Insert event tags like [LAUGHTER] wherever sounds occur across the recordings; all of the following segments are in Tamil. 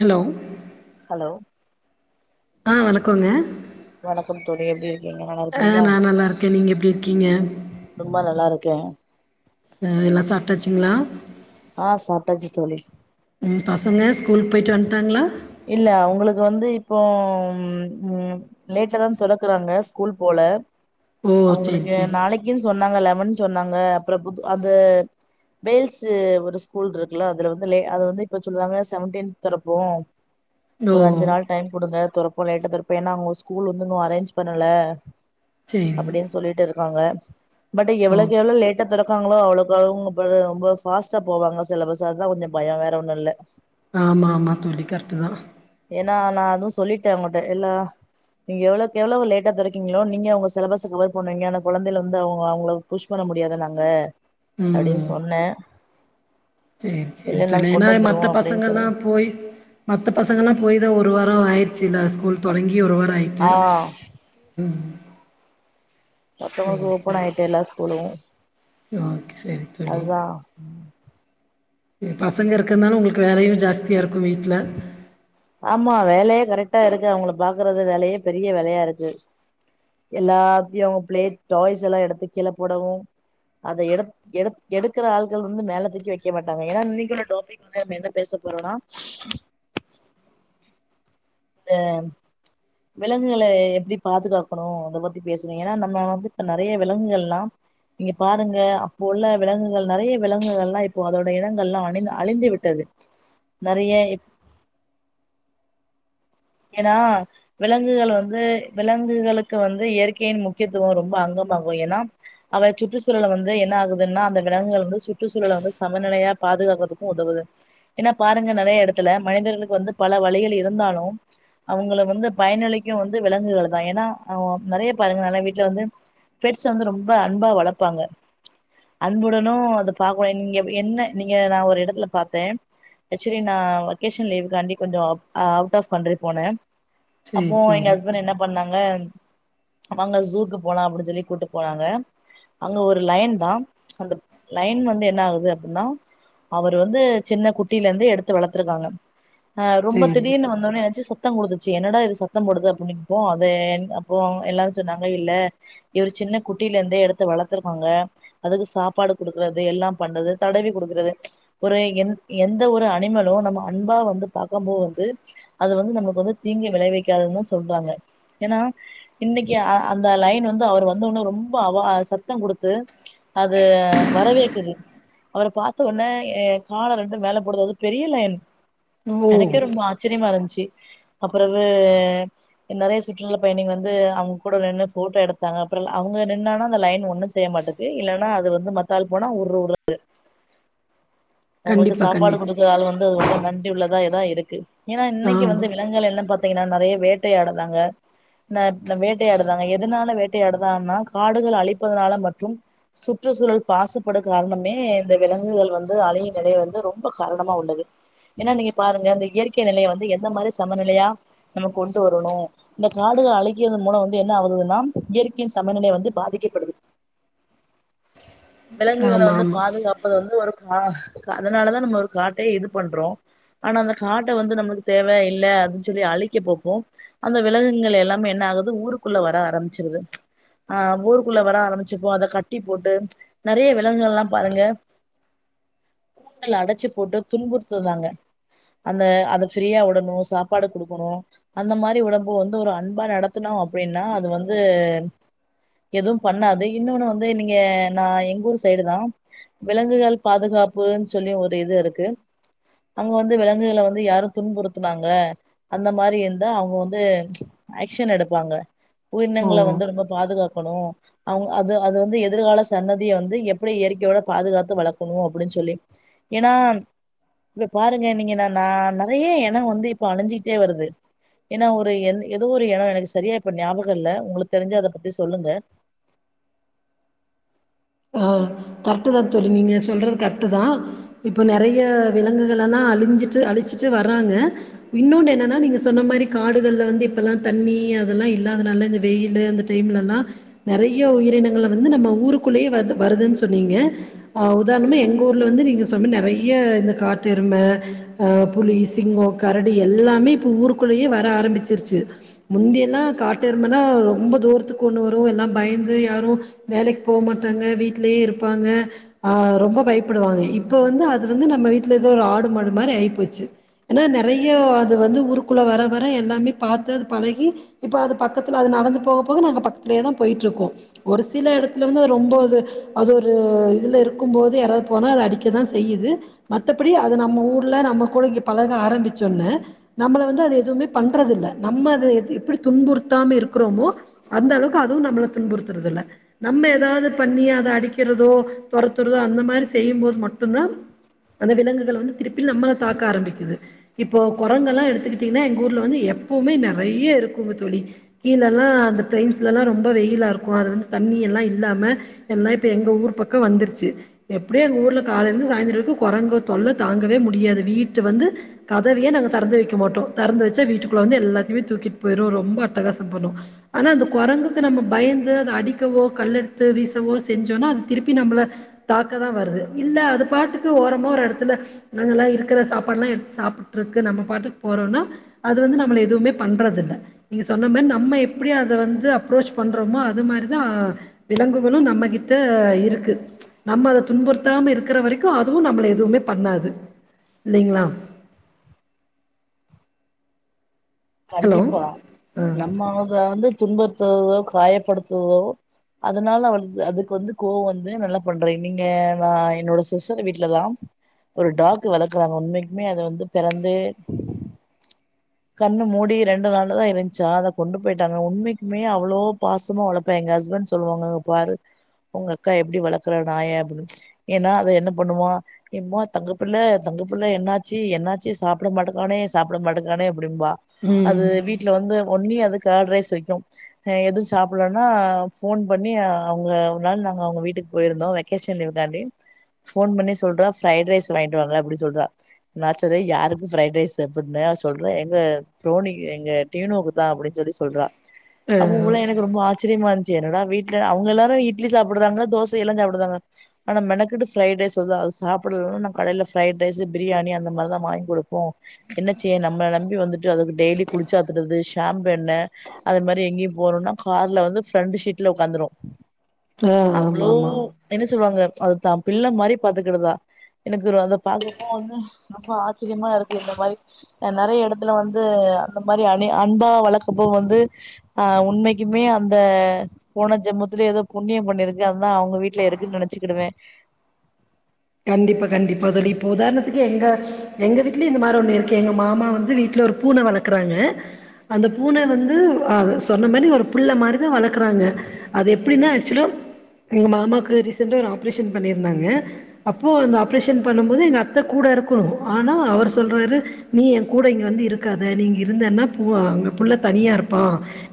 ஹலோ ஹலோ ஆ வணக்கோங்க வணக்கம் தோழி எப்பிடி இரு அ நா நல்லா இருக்கே நீங்க எப்பிடி இருக்கீங்க ம்மா நல்லா இருக்கே ஆ எல்லா சாப்ட்டாச்சுங்களா ஆ சாப்ட்டாச்சி தோழி ம் பசங்க ஸ்க் இல்ல உங்களுக்கு வந்துப் இப்போ ம் லேட்டலதா தொறக்குறாங்க ஸ்கூல் போல ஓ சேரி அவங்களுக்கு சேரி நாளைக்குன் சொன்னாங்க லெவன் சொன்னாங்க அப்புறோ அந்த வேல்ஸ் ஒரு ஸ்கூல் இருக்குல அதுல வந்துது லே அது வந்து இப்ப சொல்றாங்க செவெடீன் திறப்போ ஓ ஒரு அஞ்சு நாள் டைம் கொடுங்க திறப்போ லேட்டா தெறப்போ ஏன்னா அவங்க ஸ்கூல் வந்துன்னு அரேஞ்ச் பண்ணல சேரிங்க அப்டின்னு சொல்லிட்டு இருக்காங்க [INAUDIBLE] பட் ஓ எவ்ளோக் எவ்ளோ லேட்டா தெரக் பாக்களோ அவளக்கவ்ளோ ரொம்ப ஃபாஸ்டா போவாங்க சிலபஸ் அதுதா கொஞ்ச பயோ வேற ஒண்ணு இல்ல ஆமா மா தோழி கரக்ட் தா நா நா அதுவு சொல்லிட்டே அவங்கிட்ட எல்லா நீங்க எவ்ளோக் எவ்ளோ லேட்டா தெரக்கீங்களோ நீங்க அவங்க சிலபஸ்ஸ கவர் பண்ணுவீங்க ஆனா கொழந்தேல் வந்து அவங்க அவங்கள புஷ் பண்ண முடியாது நாங்க அப்டின்னு ம் சொன்னே சேரி சேரி இல்ல நாங்க சொல்லே ஏன்னா கொண்டு வந்துருவோ மத்த அப்டின்னு சொல்லு பசங்கல்லா போய் மத்த பசங்கல்லா போய் தா ஒரு வாரோ ஆயிர்ச்சுல ஸ்கூல் தொடங்கி ங்கி ஒருவாரோ ஆய்ட்டு ஆ உ மத்தவங்க்கு ஓபன் ஆயிட்டு எல்லா ஸ்கூலு ஓகே சரி தோழி அத்தா பசங்க இருக்கனாலு உங்களுக்கு வேலையு ஜாஸ்தி ஆமா வேலயே கரெக் க்டா இருக்கு அவங்கள பாக்றது வேலையே பெரிய வேலையா இருக்கு எல்லாத்தையு அவங்க பிளே டாய்ஸ் எல்லா எடுத்து கீழ போடவு அத எடு எடு எடுக்கிற ஆள்கள் வந்து மேலத்துக்கு வைக்க மாட்டாங்க ஏன்னா இன்னைக்குள்ள டாப்பிக் வந்து நம்ம என்ன பேச போறோனா [INAUDIBLE] இந்த விலங்குகள எப்படி பாதுகாக்கணு அத பத்தி பேசுங்க ஏன்னா நம்ம வந்து இப்ப நிறைய விலங்குகள்ல்லா நீங்க பாருங்க அப்போ உள்ள விலங்குகள் நெறையா விலங்குகள்லா இப்போ அதோட இடங்கள்லா அழி அழிந்து விட்டது நெறைய ஏன்னா விலங்குகள் வந்து விலங்குகளுக்கு வந்து இயற்கையின் முக்கியத்துவோ ரொம்ப அங்கமாகு ஏன்னா அவ சுற்றுச்சூழல வந்து என்ன ஆகுதுன்னா அந்த விலங்குகள் வந்து சுற்றுச்சூழல வந்து சமநிலையா பாதுகாக்கறதுக்கு உதவுது ஏன்னா பாருங்க நெறையா எடத்துல மனிதர்களுக்கு வந்து பல வழிகள் இருந்தாலு அவங்கள வந்து பயனளிக்கு வந்து விலங்குகள் தா ஏன்னா அவங்க நெறையா பாருங்கனால வீட்டுல வந்து பெட்ஸ் வந்து ரொம்ப அன்பா வளப்பாங்க அன்புடனு அத பாக்கனு நீங்க என்ன நீங்க நா ஒரு எடத்துல பாத்தே ஆக்சுவலி நா வகேஷன் லீவு காண்டி கொஞ்சோ அவுட் ஆஃப் பண்ற போனே சேரி அப்போ எங்க சேரி ஹஸ்பண்ட் என்ன பண்ணாங் ங்க அவங்க ஜூக்கு போலா அப்டின்னு சொல்லி கூட்டு போனாங்க அங்க ஒரு லைன் தா அந்த லைன் வந்து என்ன ஆகுது அப்டின்னா அவர் வந்து சின்ன குட்டில இருந்து எடுத்து வளத்திருக்காங்க ஆ ரொம்ப சேரி தீடீர்னு வந்தோனே நெனச் சத்தோ போத்திச்சு என்னடா இது சத்தோ போடுது அப்படனுப்போ அது அப்போ எல்லாரரு சொன்னாங்க இல்ல இவர் சின்ன குட்டில இருந்தே எடுத்து வளத்துருக்காங்க அதுக்கு சாப்பாடு கொடுக்கறது எல்லா பண்றது தடவி குடுக்கறது ஒரு எ எந்த ஒரு அனிமலு நம்ம அன்பா வந்து பாக்கம் போ வந்து அது வந்து நமக்கு அப்ப வந்து தீங்கு விளைவிக்காதுனுதா சொல்றாங்க ஏன்னா இன்னைக்கு அந்த லைன் வந்து அவர் வந்த உன்ன ரொம்ப அவா சத்தோ குடுத்து அது வரவேக்குது அவர பாத்த உன்னே கால ரெண்டு மேல போடுது அது பெரிய லையன் ஓ எனக்கே ரொம்ப ஆச்சரியமா இருந் சி அப்பறவு நெறையா சுற்றுலா பயணிக வந்து அவங்க கூட நின்னு ஃபோட்டோ எடுத்தாங்க அப்பற அவங்க நின்னனா அந்த லைன் ஒண்ணு செய்ய மாட்டேங்க்குது இல்லன்னா அது வந்து மத்தாள் போனா உரு உர்ருங்கு அவங்களுக்கு கண்டிப்பா சாப்பாடு கண்டிப்பா கொடுக்கற ஆள் வந்து அது வந்து வண்டி உள்ளதா இதா இருக்கு ஏன்னா இன்னைக்கு ஆமா வந்து வெல் தெல்லாம் பாத்தீங்கன்னா நறைய வேட்டையாடுறாங்க இந்த இந்த வேட்டையாடுறாங்க எதனால வேட்டையாடுறாங்கன்னா காடுகள் அழிப்பதனால மற்றும் சுற்றுச்சூழல் மாசுப்பாடு காரணமே இந்த விலங்குகள் வந்து அழியும் நிலை வந்து ரொம்ப காரணமா உள்ளது ஏன்னா நீங்க பாருங்க இந்த இயற்கை நிலைய வந்து எந்த மாரிஸ் சமநிலையா நம்ம கொண்டு வரணு இந்த காடுகள் அழிகிறதன் மூலம் வந்து என்ன ஆகுதுன்னா இயற்கையின் சமநிலை வந்து பாதிக்கப்படுது விலங்குகள ஆமா வந்து ஆமா பாதுகாப்பது வந்து ஒரு ஆ கா அதனாலதா நம்ம ஒரு காட்டையே இது பண்றோ ஆனா அந்த காட்ட வந்து நம்மளுக்கு தேவ இல் இல்ல அப்டின் சொல்லி அழிக்க பாப்போ அந்த விலகுகள் எல்லாமே என்ன ஆகுது ஊருக்குள்ள வர ஆரம்பிச்சிருது ஆ ஊருக்குள்ள வர ஆரம்பிச்சப்போ அத கட்டி போட்டு நறைய விலகுகள் எல்லாம் பாருங்க கூட்டுல அடச்சு போட்டு துன்புறுத்துதாங்க அந்த அத ஃபிரியா உடணுஸ் சாப்பாடு கொடுக்கணு அந்த மாதிரி ஒடம்பு வந்து ஒரு அன்பா நடத்தனோ அப்டின்னா அது வந்து எதுவும் பண்ணாது இன்னொன்னு வந்து நீங்க நா எங்கூர் சைடுதா விலங்குகள் பாதுகாப்புன் சொல்லி ஒரு இது இருக்கு அங்க வந்து விலங்குகள வந்து யாரு துன்புறுத்துனாங் ங்க அந்த மாரி இருந்தா அவங்க வந்து ஏக்க்ஷன் எடுப்பாங்க ஓ உயிரினங்கள வந்து நம்ம பாதுகாக் க்கனு அவங்க அது அது வந்து எதுர்கால சந்ததிய வந்து எப்புடி இயற்கையோட பாதுகாத்து வளக்கணு அப்டின் சொல்லி ஏன்னா இப்ப பாருங்க நீங்க என்னன்னா நா நறைய எனோ வந்து இப்ப அழிஞ்சிட்டே வருது ஏன்னா ஒரு என் ஏதோ ஒரு எனோ எனக்கு சரியா இப்ப ஞாபகோ இல்ல உங்களுக்கு தெருஞ்சா அத பத்தி சொல்லுங்க ஆ கரெக்ட்டுதா தோழி நீங்க சொல்றது கரெக்ட்டுதா இப்ப நறைய விலங்குகள் எல்லா அழுஞ்சுட்டு அழிச்சிட்டு வர்றாங்க இன்னொன்னு என்னன்னா நீங்க சொன்ன மாரி காடுகள்ல வந்து இப்பல்லா தண்ணி இதெல்லா இல்லாதனால இந்த வெயிலு இந்த டைம்ல எல்லா நெறைய உயிரினங்கள வந்து நம்ம ஊருக்குள்ளயே வந்து வருதுன் சொன்னீங்க உதாரணமா எங்க ஊர்ல வந்து நீங்க சொன்ற நெறைய இந்த காட்டெரும அ புலி சிங்கோ கரடி எல்லாமே இப்ப ஊருக்குள்ளயே வர ஆரம்பிச்சிருச்சு முந்திய எல்லா காட்டெருமன்னா ரொம்ப தூரத்துக்கு ஒண்ணு வரு எல்லா பயந்து யாரு வேலைக் போ மாட்டாங்க வீட்லயே இருப்பாங்க ஆ ரொம்ப பயப்படுவாங்க இப்ப வந்து அது வந்து நம்ம வீட்ல இருக்குற ஒரு ஆடு மாடு மாரி ஆயி போச்சு ஏன்னா நெறைய அது வந்து ஊருக்குள்ள வர வர எல்லாமே பாத்து அது பழகி இப்போ அது பக்கத்துல அது நடந்து போக போக நாங்க பக்கத்துலயேதா போயிட்ருக்கோ ஒரு சில எடத்துல வந்து அது ரொம்போ அது அது ஒரு இதுல இருக்கும் போது யாராவது போனா அது அடிக்கதா செய்யுது மத்தபடி அது நம்ம ஊருல நம்ம கூட இங்க பழக ஆரம்பிச்சொன்ன நம்மள வந்து அது எதுமே பண்றதில்ல நம்ம அது எது எப்புடி துன்புறுத்தாம இருக்குறோமோ அந்த அளவுக்கு அதுவு நம்மள துன்புறுத்துறது இல்ல நம்ம எதாவது பண்ணி அத அடிக்கிறதோ தொரத்துறதோ அந்த மாரி செய்யும்போது மட்டுந்தா அந்த விலங்குகள் வந்து திருப்பி நம்மள தாக்க ஆரம்பிக்குது இப்போ கொரங்கெல்லா எடுத்துக்கிட்டீங்கன்னா எங்க ஊர்ல வந்து எப்போமே நெறைய இருக் போங்க தோழி கீழெல்லா அந்த பிலேஸ்லெல்லா ரொம்ப வெயிலா இருக்கு அது வந்து தண்ணி எல்லா இல்லாம எல்லா இப்ப எங்க ஊர் பக்கோ வந்துருச்சு எப்டியே எங்க ஊர்ல காலையிலிருந்து சாய்ந்துரோ வரைக்கு கொரங்கு தொல்ல தாங்கவே முடியாது வீட்டு வந்து கதவையே நாங்க தெறந்து வெக்க மாட்டோ தெறந்து வெச்சா வீட்டுக்குள்ள வந்து எல்லாத்தையுமே தூக்கிட் போயிரு ரொம்ப அட்டகாசம் பண்ணு ஆனா அந்த கொரங்குக்கு நம்ம பயந்து அத அடிக்கவோ கல்லெடுத்து வீசவோ செஞ்சோன்னா அது திருப்பி நம்மள தாக்கதா வருது இல்ல அது பாட்டுக்கு ஓரமா ஒரு எடத்துல நாங்கள்லா இருக்குற சாப்பாடெல்லா எடுத்து சாப்புட்ருக்கு நம்ம பாட்டுக்கு போறோன்னா அது வந்து நம்மள எதுமே பண்றது இல்ல நீங்க சொன்ன மாரி நம்ம எப்டி அத வந்து அப்ரோச் பண்றோமோ அது மாரிதா விலங்குகளு நம்மகிட்ட இருக்கு நம்ம அத துன்புறுத்தாம இருக்குற வரைக்கு அதுவு நம்மள எதுமே பண்ணாது இல்லைங்களா ஹலோ கண்டிப்பா ஆ நம்ம அத வந்து துன்புறுத்துதோ காயப்படுத்துறதோ அதனால அவன் அதுக்கு வந்து கோவோ வந்து நல்லா பண்றே நீங்க நா என்னோட சிஸ்டர் வீட்லதா ஒரு டாக்கு வளக்குறாங்க உண்மைக்குமே அது வந்து பெறந்து கண்ண மூடி ரெண்டு நாளுதா இருந்துச்சா அத கொண்டு போயிட்டாங்க உண்மைக்குமே அவ்வளோ பாசமாக வளப்பே எங்க ஹஸ்பண்ட் சொல்லுவாங்க பாரு உங்க அக்கா எப்டி வளக்குறா நாய அப்புடின் ஏன்னா அத என்ன பண்ணுவோ என்மா தங்க பிள்ள தங்க பிள்ள என்னாச்சு என்னாச்சு சாப்புட மாட்டுங்குறானே சாப்புட மாட்டுங்குறானே அப்டிம்பா அது ம் வீட்ல வந்து ஒன்னி அது கோர்ட் ரைஸ் வெக்கு எது சாப்புடலனா ஃபோன் பண்ணி அவங்க ஒரு நாள் நாங்க அவங்க வீட்டுக்கு போயிருந்தோ வெக்கேஷன் லீவ்க்காண்டி ஃபோன் பண்ணி சொல்றா பிரைட் ரைஸ் வாங்கிட்டு வாங்க அப்டி சொல்றா நா சொன்ன யாருக்கு பிரைட் ரைஸ்ஸு அப்டின்ன அவ சொல்றா எங்க தோனி எங்க டீனோவுக்குதா அப்டின் சொல்லி சொல்றா ஆ அப்ப உல்லா எனக்கு ரொம்ப ஆஸ் [UNINTELLIGIBLE] வீட்ல அவங்க எல்லாரு இட்லி சாப்டுறாங்க தோசை எல்லா சாப்புடுறாங்க ஆனா மெனக்கெட்டு பிரைட் ரைஸ் சொல்றா சாப்புடு நம்ம கடைல பிரைட் ரைஸ்ஸு பிரியாணி அந்த மாரிதா வாங்கி குடுப்போ என்ன செய்ய நம்ம நம்பி வந்துட் ட்டு அதுக்கு டெய்லி குளிச்சாத்துது ஷேம் பெண்ண அது மாரி எங்கியும் போணுன்னா கார்ல வந்து பிரெண்ட்டு சீட்ல உக்காந்துரு ஆ ஆமா அவ்ளோ ஆமா என்ன சொல்லுவாங்க அதுதா பிள்ள மாரி பாத்துக்கிடுதா எனக்கு அத பாக்கும்போது வந்து ரொம்ப ஆச்சிரியமா இருக்கு இந்த மாரி நெறைய எடத் இதுல வந்து அந்த மாரி அனி அன்பா வளக்கும் போது வந்து ஆ உண்மைக்குமே அந்த போன ஜென்மத்துல எதோ புண்ணியம் பண்ணிருக்கு அதுதா அவங்க வீட்ல இருக்குன் நெனச்சுக்கிடுவ கண்டிப்பா கண்டிப்பா தோழி இப்ப உதாரணத்துக்கு எங்க எங்க வீட்லயு இந்த மார் ஒண்ணு இருக்கே எங்க மாமா வந்து வீட்ல ஒரு பூன வளக்குறாங்க அந்த பூன வந்து அது சொன்ன மாரி ஒரு புள்ள மாரிதா வளக்குறாங்க அது எப்டின்னா ஏக்சுவலா எங்க மாமாக்கு ரீசன்டா ஒரு ஆப்ரேஷன் பண்ணிருந்தாங்க அப்போ அந்த ஆப்ரேஷன் பண்ணும் போது எங்க அத்த கூட இருக்கணு ஆனா அவர் சொல்றாரு நீ எ கூட இங்க வந்து இருக்காத நீ இருந்தன்னா பூ அங்க புள்ள தனியா இருப்பா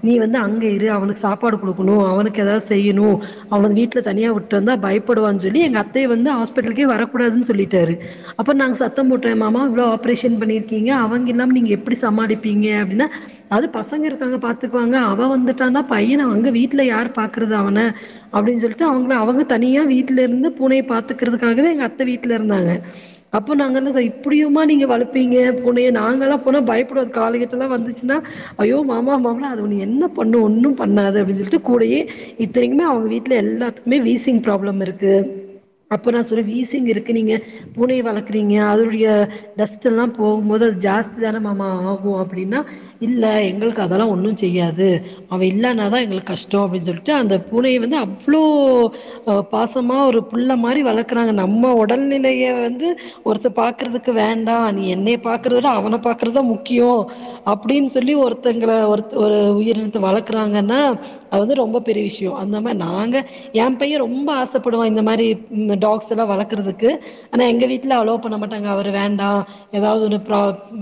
நீ வந்து அங்க இரு அவனுக்கு சாப்பாடு குடுக்கணு அவனுக்கு எதாவது செய்யணு அவ வீட்ல தனியா உட்டு வந்தா பயப்படுவான் சொல்லி எங்க அத்தைய வந்து ஹாஸ் ஹாஸ் பெட்டல்கே வரக்கூடாதுன் சொல்லிட்டாரு அப்போ நாங்க சத்தம் போட்டோ ஏ மா இவ்ளோ ஆப்ரேஷ் பண்ணிருக்கீங்க அவங்க இல்லாம நீங்க எப்படி எப்படி சமாளிப்பீங்க அப்படின்னு அது பசங்க இருக்காங்க பார்த்துப்பாங்க அவங்க வந்துட்டாங்கன்னா பையன அங்க வீட்ல யார் பார்க்குறது அவன அப்டினு சொல்லிட்டு அங்க அவன தனியா வீட்ல இருந்து பூனைய பாத்து அதுக்காகவே எங்க அத்தை வீட்டுல இருந்தாங்க அப்போ நாங்கல்லாம் இப்படியுமா நீங்க வளப்பீங்க பூனைய நாங்க எல்லாம் அப்போல்லாம் பயப்படுவது காலத்துாம் வந்துச்சுன்னா ஐயோ மாமா மாமா ஒண்ணு என்ன பண்ண ஒண்ணும் பண்ணாது அப்படின்னு சொல்லிட்டு கூடயே இத்தனைக்குமே அவங்க வீட்டுல எல்லாத்துக்குமே வீசிங் ப்ராப்ளம் இருக்கு அப்போ நான் சொல்லுவேன் வீசிங் இருக்குனீங்க பூனை வளர்க்குறீங்க அதனுடைய டஸ்ட்டெல்லாம் போகும்போது அது ஜாஸ்தி தானம் மாமா ஆகும் அப்படின்னா இல்லை எங்களுக்கு அதெல்லாம் ஒன்றும் செய்யாது அவள் இல்லலைனா தான் எங்களுக்கு கஷ்டம் அப்படின்னு சொல்லிட்டு அந்த பூனை வந்து அவ்வளோ பாசமா ஒரு புள்ள மாரி வளர்க்கறாங்க நம்ம உடல்நிலையை வந்து ஒருத்தர் பார்கறதுக்கு வேண்டாம் நீ என்னனைபபாக்ற அவனை பாக்றதுத முக்கியம் அப்படின்னு சொல்லி ஒருத்தங்க ஒரு உயிரினத்தை வளர்க்கறாங்கன்னா அது ரொம்ப பெரிய விஷயம் அந்திரி நாங்க என் பையன் ரொம்ப ஆசைப்படுவோம் இந்த மாதிரி டாக்ஸ் எல்லாம் வளர்க்குறதுக்கு ஆனா எங்க வீட்டுல அலோ பண்ண மாட்டாங்க அவரு வேண்டாம் ஏதாவது ஒன்னு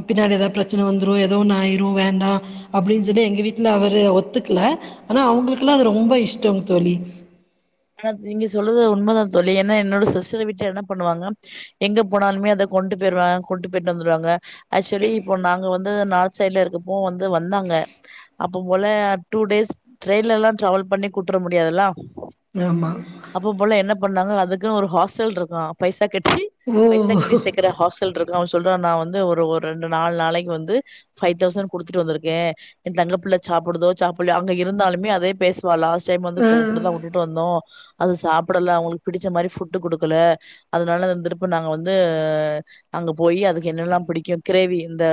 பின்னாடி ஏதாவது பிரச்சனை வந்துரும் ஏதோ ஒண்ணு ஆயிரும் வேண்டாம் அப்படின்னு சொல்லி எங்க வீட்டுல அவரு ஒத்துக்கல ஆனா அவங்களுக்குெல்லாம் அது ரொம்ப இஷ்டோம் தோழி ஆனா நீங்க சொல்லறது உண்மைதான் தோழி ஏன்னா என்னோட சிஸ்டரை விட்டு என்ன பண்ணுவாங்க எங்க போனாலுமே அதை கொண்டு போயிருவாங்க கொண்டு போயிட்டு வந்துடுவாங்க ஆக்சுவலி இப்போ நாங்க வந்து நார்த் சைட்ல இருக்கப்போ வந்து வந்தாங்க அப்ப போல டூ டேஸ் ட்ரெயின்லயெல்லாம் ட்ராவல் பண்ணி கூட்டுட்டு முடியாததுல்ல ஆமா அப்ப போல என்ன பண்ணாங்க அதுக்கு ஒரு ஹாஸ்டல் இருக்காம் பைசா கட்டி பைசா கட்டி ஓ சேக்குற ஹாஸ்டல்றது சொல்ற நான் வந்து ஒரு ரண்டு நா நாளைக்கு வந்து பை தௌசண்ட் கொடுத்து வந்திருக்கேன் தங்கபுள்ள சாப்பிடுதோ சாப்பிடலயோஅங்க இருந்தாலுமே அதே பேச லாஸ்ட் டைம் வந்து ஆ போகும் போது அது சாப்பிடல அவங்களுக்கு பிடிச்ச மாதிரிபுட் குடுக்கல அதனாலந்தப்ப நாங்க வந்து அங்க போய் அதுக்கு என்னல்லாம் பிடிக்கும் கிரேவி இந்த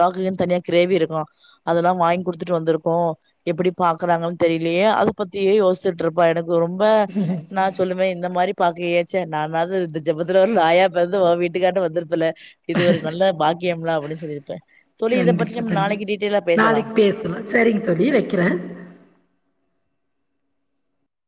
டாக்குன்னு தனியா கிரேவி இருக்கும் அதெல்லாம் வாங்கி குடுத்துட்டு வந்திருக்கோம் எப்படி பாக்குறாங்க தெரியலே அத பத்தியே யோசிச்சுட்டு இருப்பா மேடம் ரொம்ப நான் சொல்லுவேன் இந்த மாதிரி பாக்க ஏச்சன் நானாவது இந்த ஜென்மத்துல ஒரு நாயாப் பொறந்து வீட்டுக்காரட்டு வந்திருப்பல இது ஒரு நல்ல பாக்கியம் கேம்லா அப்டின்னு சொல்லிட்டு கண்டிப்பா கண்டிப்பா நாளைக்கு பேசலாம் செரிங்கதோழி வைக்கிறேன்